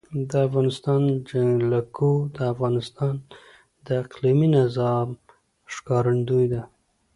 د افغانستان جلکو د افغانستان د اقلیمي نظام ښکارندوی ده.